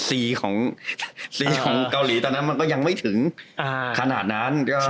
ของซีของเกาหลีตอนนั้นมันก็ยังไม่ถึงขนาดนั้น